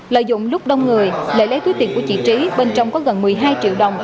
lợi dụng lúc đông người lễ lấy quyết tiền của chị trí bên trong có gần một mươi hai triệu đồng